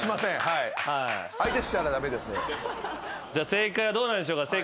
正解はどうなんでしょうか。